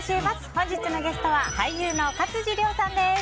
本日のゲストは俳優の勝地涼さんです。